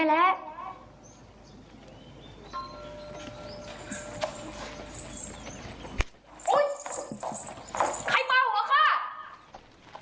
โอ๊ยใครปล่าหัวข้า